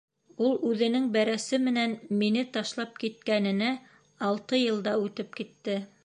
Ул үҙенең бәрәсе менән мине ташлап киткәненә алты йыл да үтеп китте.